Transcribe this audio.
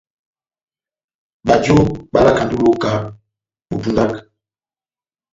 Bajo bálakandi ó iloka bó pundaka.